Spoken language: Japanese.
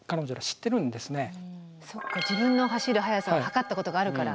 そっか自分の走る速さを測ったことがあるから。